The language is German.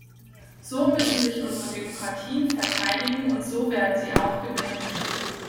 So müssen sich unsere Demokratien verteidigen und so werden sie auch gewinnen.